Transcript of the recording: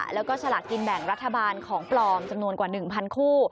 แล้วก็สลากกินแบ่งรัฐบาลของปลอมจำนวนกว่า๑๐๐คู่